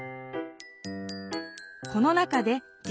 この中で事